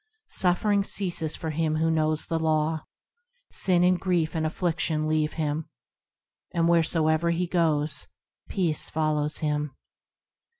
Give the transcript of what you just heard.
Suffering ceases for him who knows the Law, Sin and grief and affliction leave him, And wheresoever he goes, peace follows him.